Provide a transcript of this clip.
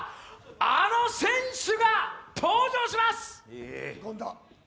あの選手が登場します！